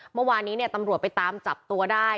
เมื่อวานนี้เนี่ยตำรวจไปตามจับตัวได้